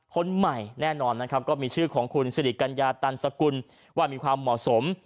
คนใหม่แน่นอนนะครับก็มีชื่อของคุณสิริกัญญาตันสกุลว่ามีความเหมาะสม